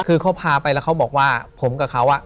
คือเขาพาไปแล้วเขาบอกว่าผมกับเขา